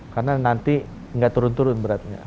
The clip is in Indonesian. karena nanti gak turun turun beratnya